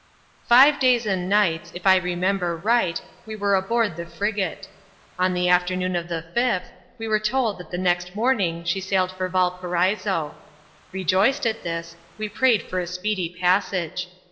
FnnE days and nights, if I remember right, i^e were abownl the frigate. On the afternoon of the fifth, we were told thattiiB next morning she sailed for Valparaiso. Rejoiced at thiS| ve prayed for a speedy passage.